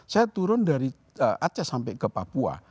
saya turun dari aceh sampai ke papua